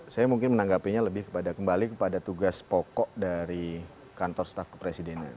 saya mungkin menanggapinya lebih kepada kembali kepada tugas pokok dari kantor staf kepresidenan